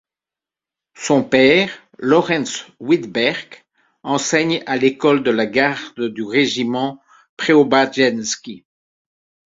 Son père Lorentz Wittberg enseigne à l'école de la garde du régiment Préobrajensky.